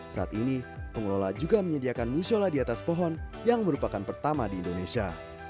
saat ini pengelola juga menyediakan musola di atas pohon yang merupakan pertama di indonesia